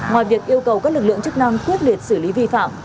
ngoài việc yêu cầu các lực lượng chức năng quyết liệt xử lý vi phạm